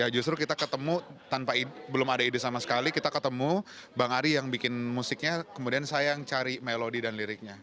justru kita ketemu tanpa belum ada ide sama sekali kita ketemu bang ari yang bikin musiknya kemudian saya yang cari melodi dan liriknya